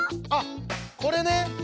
あっこれね。